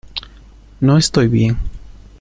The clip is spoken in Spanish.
no estoy bien.